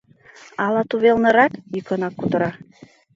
Ала тувелнырак? — йӱкынак кутыра.